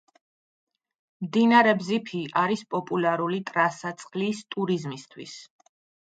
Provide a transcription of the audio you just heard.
მდინარე ბზიფი არის პოპულარული ტრასა წყლის ტურიზმისთვის.